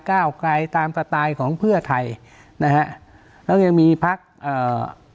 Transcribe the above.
ก้าวไกลตามสไตล์ของเพื่อไทยนะฮะแล้วก็ยังมีพักเอ่อ